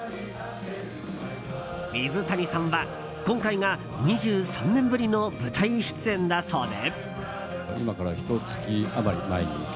水谷さんは、今回が２３年ぶりの舞台出演だそうで。